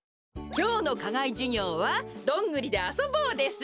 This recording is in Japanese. きょうのかがいじゅぎょうはどんぐりであそぼうです。